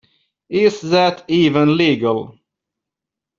Is that even legal?